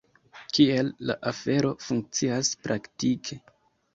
Kiel la afero funkcias praktike?